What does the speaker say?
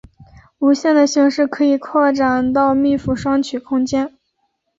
无限的形式可以扩展到密铺双曲空间。